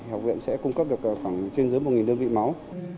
học viện sẽ cung cấp được khoảng trên dưới một đơn vị máu